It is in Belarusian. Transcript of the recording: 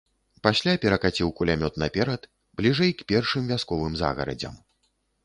Пасля перакаціў кулямёт наперад, бліжэй к першым вясковым загарадзям.